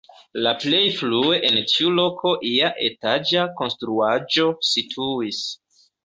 La plej frue en tiu loko ia etaĝa konstruaĵo situis.